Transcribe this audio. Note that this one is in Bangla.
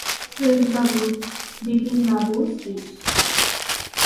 শ্রীশবাবু, বিপিনবাবু– শ্রীশ।